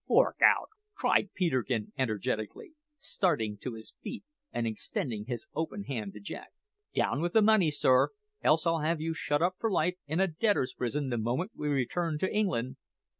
"Fork out!" cried Peterkin energetically, starting to his feet and extending his open hand to Jack. "Down with the money, sir, else I'll have you shut up for life in a debtor's prison the moment we return to England!"